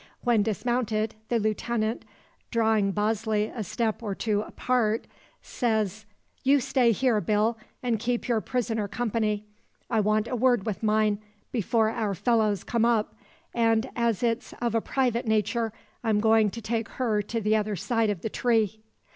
When dismounted, the lieutenant, drawing Bosley a step or two apart, says: "You stay here, Bill, and keep your prisoner company. I want a word with mine before our fellows come up, and as it's of a private nature, I'm going to take her to the other side of the tree."